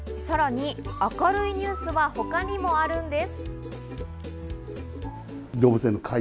さらに明るいニュースは他にもあるんです。